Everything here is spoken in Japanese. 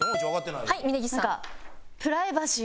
はい峯岸さん。